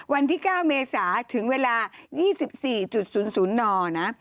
วันที่๙เมษาถึงเวลา๒๔๐๐นนะ